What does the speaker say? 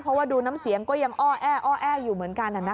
เพราะว่าดูน้ำเสียงก็ยังอ้อแออยู่เหมือนกันน่ะค่ะ